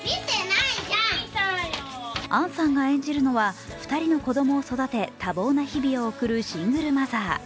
杏さんが演じるのは２人の子供を育て、多忙な日々を送るシングルマザー。